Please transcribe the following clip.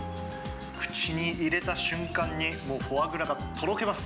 口に入れた瞬間にもう、フォアグラがとろけます。